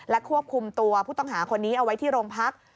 ควบคุมตัวผู้ต้องหาคนนี้เอาไว้ที่โรงพัก